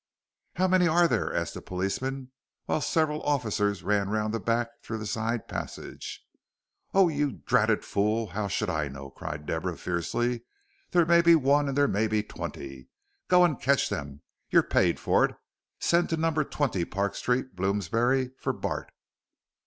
"How many are there?" asked a policeman, while several officers ran round the back through the side passage. "Oh, you dratted fool, how should I know!" cried Deborah, fiercely; "there may be one and there may be twenty. Go and catch them you're paid for it. Send to number twenty Park Street, Bloomsbury, for Bart."